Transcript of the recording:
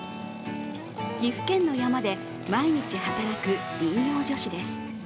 岐阜県の山で毎日働く林業女子です。